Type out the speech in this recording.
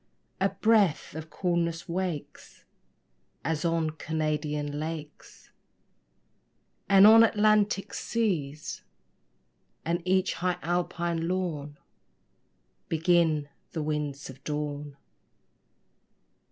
A breath of coolness wakes, As on Canadian lakes, And on Atlantic seas, And each high Alpine lawn Begin the winds of dawn.